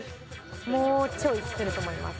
もうちょいすると思います